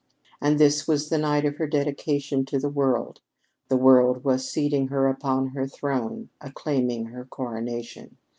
And this was the night of her dedication to the world; the world was seating her upon her throne, acclaiming her coronation.